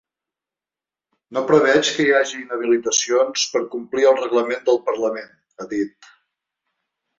No preveig que hi hagi inhabilitacions per complir el reglament del parlament, ha dit.